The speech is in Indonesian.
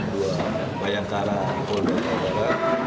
dua bayangkara di polres jawa barat